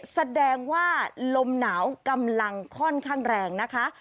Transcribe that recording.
แสดงว่าลมหนาวกำลังค่อนข้างแรงนะคะ